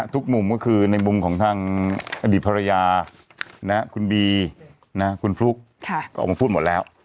มุมก็คือในมุมของทางอดีตภรรยาคุณบีคุณฟลุ๊กก็ออกมาพูดหมดแล้ว